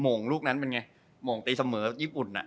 งงลูกนั้นเป็นไงโมงตีเสมอญี่ปุ่นน่ะ